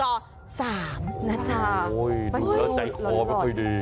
โอ้โหดูแล้วใจคอไม่ค่อยดี